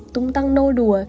tung tăng nô đùa